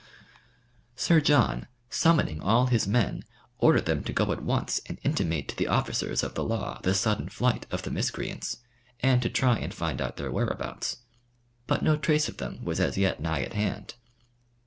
Sir John, summoning all his men, ordered them to go at once and intimate to the officers of the law the sudden flight of the miscreants, and to try and find out their whereabouts; but no trace of them was as yet nigh at hand.